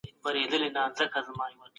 احمد شاه ابدالي مشهد ته ولي پوځ ولېږه؟